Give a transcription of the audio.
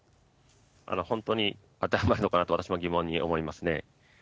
本当に当てはまるのかなと、私も疑問に思いますね。